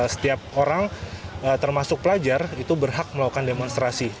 setiap orang termasuk pelajar itu berhak melakukan demonstrasi